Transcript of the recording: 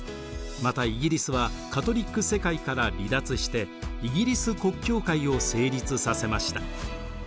またイギリスはカトリック世界から離脱してイギリス国教会を成立させました。